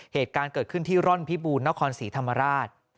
เหตุการณ์เกิดขึ้นที่ร่อนพิบูรณนครศรีธรรมราช